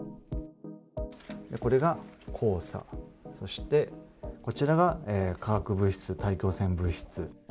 これが黄砂、そしてこちらが化学物質、大気汚染物質。